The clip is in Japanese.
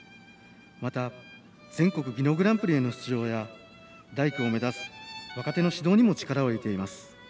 また、全国技能グランプリへの出場や大工を目指す若手の指導にも力を入れています。